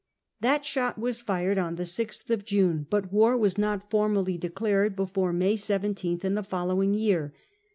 That shot was fired on the 6th of June, but war was not formally declared before May 17th in the folloAviiig year.